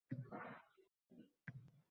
Ular sizlarni juda yaxshi ko’rishadi..